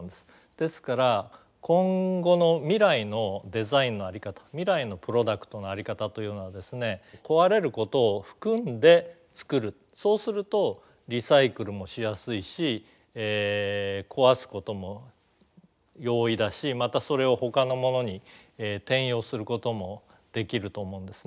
ですから今後の未来のデザインの在り方未来のプロダクトの在り方というのはですねそうするとリサイクルもしやすいし壊すことも容易だしまたそれをほかのものに転用することもできると思うんですね。